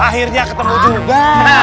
akhirnya ketemu juga